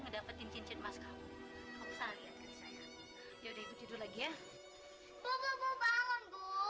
ngedapetin cincin mas kamu salah lihat ya udah tidur lagi ya bu bu bu bu bu